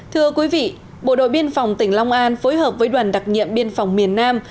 thưa quý vị bộ đội biên phòng tỉnh long an phối hợp với đoàn đặc nhiệm biên phòng miền nam